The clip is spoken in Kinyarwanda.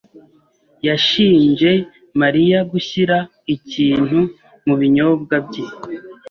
yashinje Mariya gushyira ikintu mu binyobwa bye.